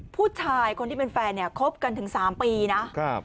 ผู้ชายคนที่เป็นแฟนเนี่ยคบกันถึงสามปีนะครับ